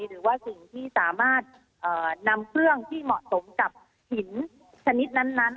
หรือว่าสิ่งที่สามารถนำเครื่องที่เหมาะสมกับหินชนิดนั้น